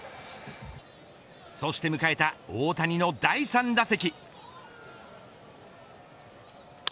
そして迎えた大谷の第３打席。